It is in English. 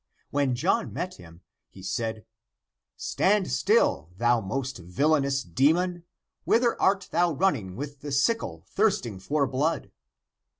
When John met him, he said, '* Stand still, thou most vil lainous demon ! Whither art thou running with the sickle thirsting for blood